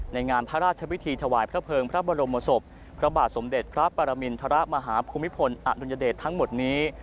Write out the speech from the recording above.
ในงานพระราชพิธีถวายพระเภิงพระบรมศพพระบาทสมเด็จพระปรมินทรมาฮภูมิพลอดุลยเดชทั้งหมดนี้